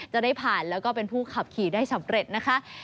จะได้ผ่านแล้วเป็นผู้ขับขี่ได้เฉพาะ